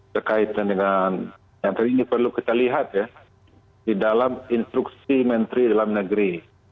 berkaitan dengan yang tadi ini perlu kita lihat ya di dalam instruksi menteri dalam negeri